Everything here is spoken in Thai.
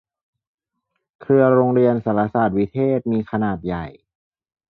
เครือโรงเรียนสารสาสน์วิเทศมีขนาดใหญ่